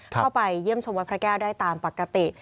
เข้าไปเยี่ยมชมวัดพระแก้วได้ตามปกติ